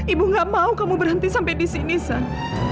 ibu nggak mau kamu berhenti sampai di sini san